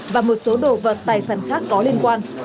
và một số đồ vật tài sản khác có liên quan